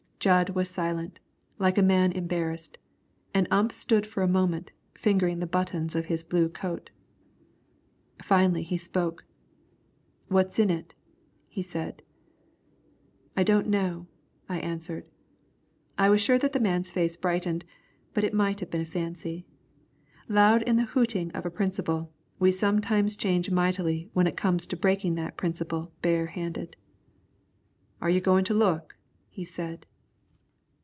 Jud was silent, like a man embarrassed, and Ump stood for a moment fingering the buttons on his blue coat. Finally he spoke. "What's in it?" he said. "I don't know," I answered. I was sure that the man's face brightened, but it might have been a fancy. Loud in the hooting of a principle, we sometimes change mightily when it comes to breaking that principle bare handed. "Are you goin' to look?" he said.